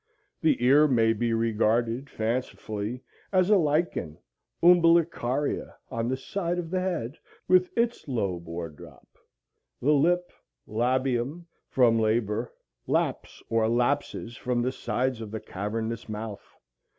The ear may be regarded, fancifully, as a lichen, umbilicaria, on the side of the head, with its lobe or drop. The lip—labium, from labor (?)—laps or lapses from the sides of the cavernous mouth.